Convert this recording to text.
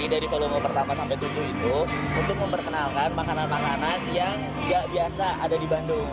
dari volume pertama sampai tujuh itu untuk memperkenalkan makanan makanan yang gak biasa ada di bandung